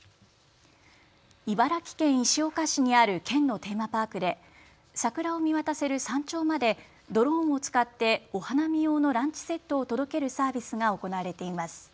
茨城県石岡市にある県のテーマパークで桜を見渡せる山頂までドローンを使ってお花見用のランチセットを届けるサービスが行われています。